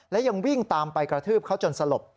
และยังวิ่งตามไปกระทืบเขาจนสลบ